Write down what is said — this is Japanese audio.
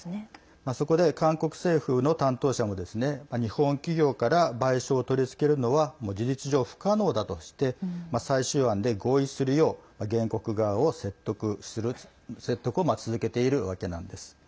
そこで、韓国政府の担当者も日本企業から賠償を取り付けるのは事実上不可能だとして最終案で合意するよう原告側の説得を続けているわけなんです。